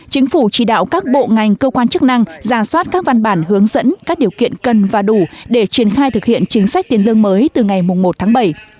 chính phủ chỉ đạo các bộ ngành cơ quan chức năng giả soát các văn bản hướng dẫn các điều kiện cần và đủ để triển khai thực hiện chính sách tiền lương mới từ ngày một tháng bảy